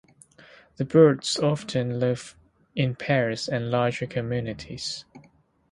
The birds often live in pairs and larger communities.